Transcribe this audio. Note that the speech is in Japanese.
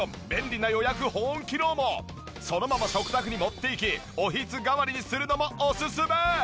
もちろんそのまま食卓に持って行きおひつ代わりにするのもオススメ！